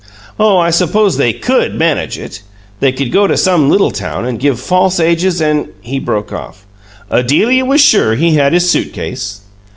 "Oh, I suppose they COULD manage it. They could go to some little town and give false ages and " He broke off. "Adelia was sure he had his suit case?"